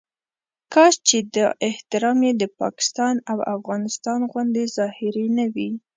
کاش چې دا احترام یې د پاکستان او افغانستان غوندې ظاهري نه وي.